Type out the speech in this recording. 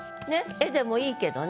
「絵」でもいいけどね。